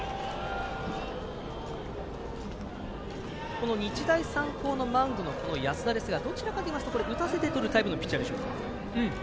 この日大三高の安田ですがどちらかといいますと打たせてとるタイプのピッチャーでしょうか？